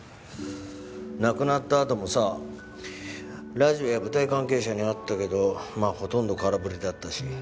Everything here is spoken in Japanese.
亡くなったあともさラジオや舞台関係者に会ったけどまあほとんど空振りだったし。